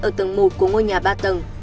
ở tầng một của ngôi nhà ba tầng